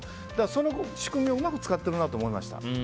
その仕組みをうまく使ってるなと思いました。